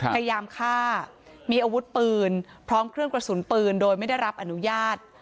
พยายามฆ่ามีอาวุธปืนพร้อมเครื่องกระสุนปืนโดยไม่ได้รับอนุญาต